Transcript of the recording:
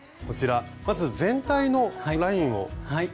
こちらまず全体のラインを。